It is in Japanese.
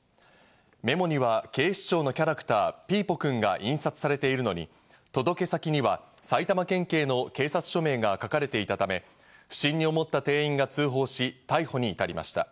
メモには警視庁のキャラクター・ピーポくんが印刷されているのに、届け先には埼玉県警の警察署名が書かれていたため、不審に思った店員が通報し、逮捕に至りました。